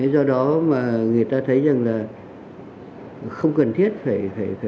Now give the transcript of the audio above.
do đó mà người ta thấy rằng là không cần thiết phải